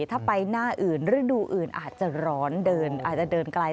ถ้าไปหน้าอื่นฤดูอื่นอาจจะร้อนเดินอาจจะเดินไกล